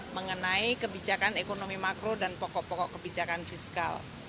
mengenai kebijakan ekonomi makro dan pokok pokok kebijakan fiskal